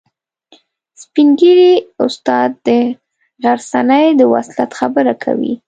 سپین ږیری استاد د غرڅنۍ د وصلت خبره کوي.